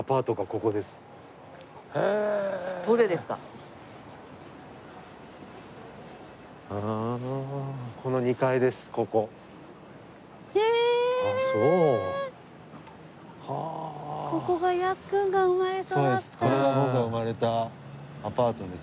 これが僕が生まれたアパートです。